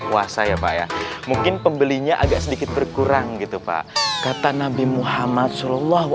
puasa ya pak ya mungkin pembelinya agak sedikit berkurang gitu pak kata nabi muhammad saw